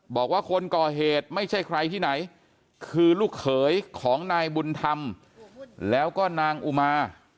บอกว่าคนก่อเหตุไม่ใช่ใครที่ไหนคือลูกเขยของนายบุญธรรมแล้วก็นางอุมา